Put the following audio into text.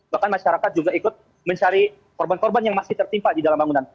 bahkan masyarakat juga ikut mencari korban korban yang masih tertimpa di dalam bangunan